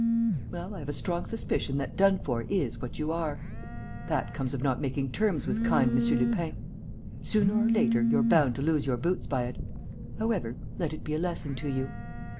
Well, I have a strong suspicion that done for is what you are. That comes of not making terms with kind M. Lupin. Sooner or later, you're bound to lose your boots by it. However, let it be a lesson to you....